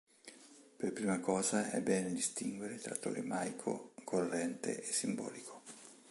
Per prima cosa è bene distinguere tra tolemaico corrente e simbolico.